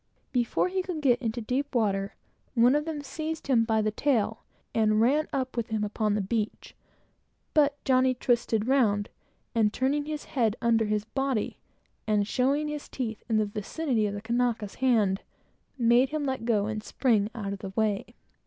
Before we could get into deep water, one of them seized him by the tail, and ran up with him upon the beach; but Johnny twisted round, turning his head under his body, and, showing his teeth in the vicinity of the Kanaka's hand, made him let go and spring out of the way.